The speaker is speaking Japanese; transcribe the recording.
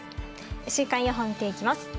週間予報を見ていきます。